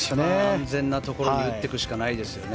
安全なところに寄っていくしかないですよね。